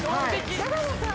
永野さん。